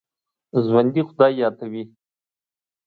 ژوندي خدای یادوي